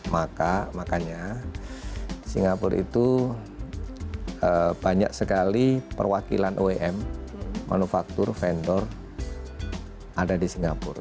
maka makanya singapura itu banyak sekali perwakilan oem manufaktur vendor ada di singapura